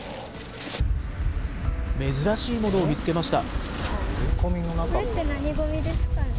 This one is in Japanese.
珍しいものを見つけました。